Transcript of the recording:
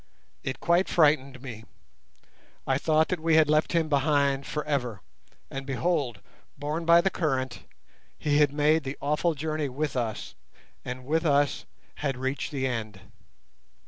It quite frightened me. I thought that we had left him behind for ever, and behold! borne by the current, he had made the awful journey with us, and with us had reached the end.